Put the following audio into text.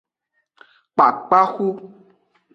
Kpakpaxu.